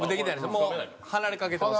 もう離れかけてますから。